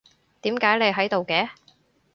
點解你喺度嘅？